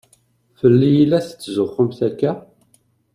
Fell-i i la tetzuxxumt akka?